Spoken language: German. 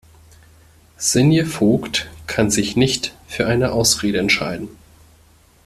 Sinje Voigt kann sich nicht für eine Ausrede entscheiden.